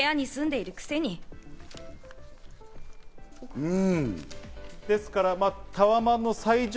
うん。